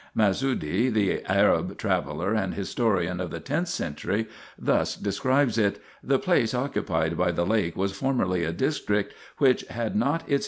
Mas'oudy, the Arab traveller and historian of the tenth century, thus describes it :' The place occupied by the lake was formerly a district which had not its equal in 1 "E.